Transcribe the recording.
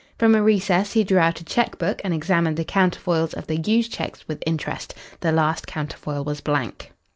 From a recess he drew out a cheque book and examined the counterfoils of the used cheques with interest. The last counterfoil was blank.